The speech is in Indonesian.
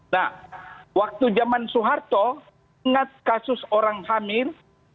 nah waktu zaman soeharto ingat kasus orang hamil